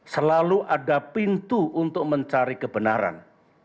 selalu ada pintu untuk mencari kebenaran